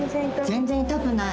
全然痛くない。